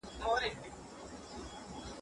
موږ اوس ستاسو د ساتنې توان نه لرو.